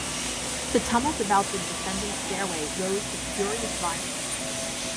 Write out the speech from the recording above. The tumult about the descending stairway rose to furious violence.